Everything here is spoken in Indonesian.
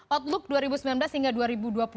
outlook dari kementerian keuangan